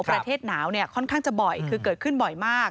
ประเทศหนาวเนี่ยค่อนข้างจะบ่อยคือเกิดขึ้นบ่อยมาก